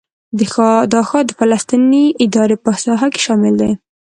دا ښار د فلسطیني ادارې په ساحه کې شامل دی.